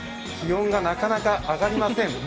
気温がなかなか上がりません。